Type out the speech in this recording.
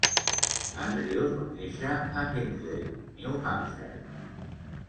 Andrews va néixer a Hinsdale, New Hampshire.